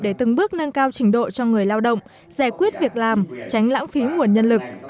để từng bước nâng cao trình độ cho người lao động giải quyết việc làm tránh lãng phí nguồn nhân lực